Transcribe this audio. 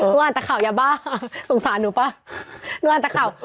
หนูอ่านแต่ข่าวยาบ้าสงสารหนูป่ะหนูอ่านแต่ข่าว